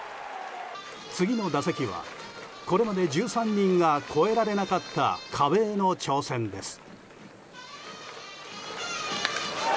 次の打席は、これまで１３人が超えられなかった壁への挑戦です。